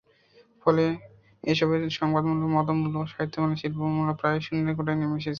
ফলে এসবের সংবাদমূল্য, মতমূল্য, সাহিত্যমূল্য, শিল্পমূল্য প্রায় শূন্যের কোঠায় নেমে এসেছে।